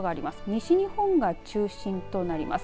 西日本が中心となります。